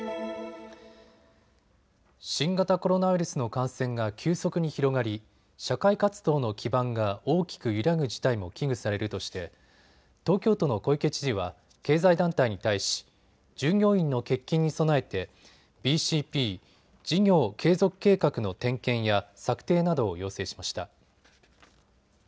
新型コロナウイルスの感染が急速に広がり社会活動の基盤が大きく揺らぐ事態も危惧されるとして東京都の小池知事は経済団体に対し従業員の欠勤に備えてＢＣＰ・事業継続計画の点検や策定などを要請しました。